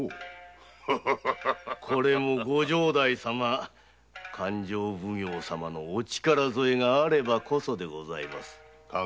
これもご城代様勘定奉行様のお力添えがあればこそです。